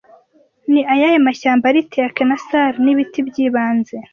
Ni ayahe mashyamba ari Teak na Sal ni ibiti by'ibanze